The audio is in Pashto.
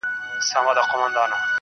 ستا سايه چي د کور مخ ته و ولاړه~